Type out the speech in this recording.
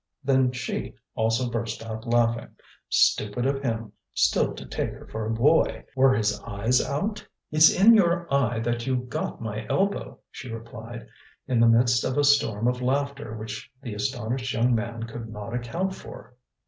Then she also burst out laughing. Stupid of him, still to take her for a boy! Were his eyes out? "It's in your eye that you've got my elbow!" she replied, in the midst of a storm of laughter which the astonished young man could not account for.